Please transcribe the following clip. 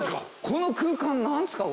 この空間何すか？